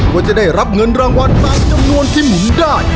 ว่าจะได้รับเงินรางวัลตามจำนวนที่หมุนได้